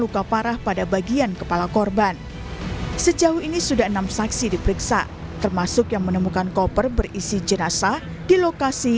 kepala kepala kepala kepala